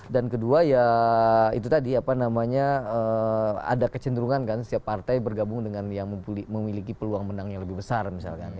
dan kedua ya itu tadi apa namanya ada kecenderungan kan setiap partai bergabung dengan yang memiliki peluang menang yang lebih besar misalkan